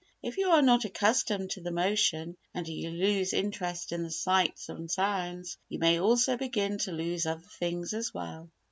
If you are not accustomed to the motion and you lose interest in the sights and sounds, you may also begin to lose other things as well."